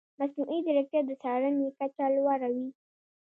مصنوعي ځیرکتیا د څارنې کچه لوړه وي.